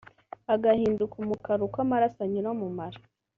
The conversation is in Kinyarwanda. agahinduka umukara uko amaraso anyura mu mara